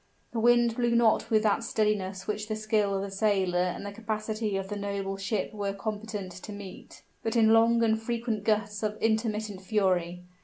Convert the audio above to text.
The wind blew not with that steadiness which the skill of the sailor and the capacity of the noble ship were competent to meet, but in long and frequent gusts of intermittent fury.